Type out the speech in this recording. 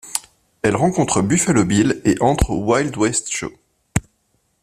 Elle rencontre Buffalo Bill et entre au Wild West Show.